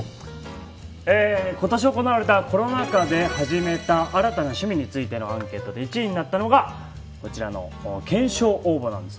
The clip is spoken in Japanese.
今年行われた、コロナ禍で始めた新たな趣味についてのアンケートで１位になったのがこちらの懸賞応募です。